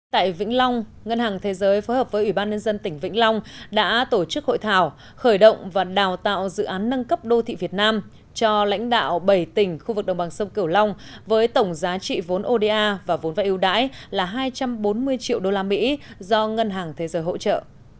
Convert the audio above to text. tại vĩnh long ngân hàng thế giới phối hợp với ủy ban nhân dân tỉnh vĩnh long đã tổ chức hội thảo khởi động và đào tạo dự án nâng cấp đô thị việt nam cho lãnh đạo bảy tỉnh khu vực đồng bằng sông cửu long với tổng giá trị vốn oda và vốn vay ưu đãi là hai trăm bốn mươi triệu usd do ngân hàng thế giới hỗ trợ